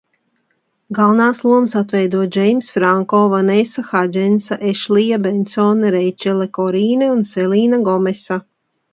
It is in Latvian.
Galvenās lomas atveido Džeimss Franko, Vanesa Hadžensa, Ešlija Bensone, Reičela Korīne un Selīna Gomesa.